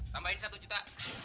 tambahin satu juta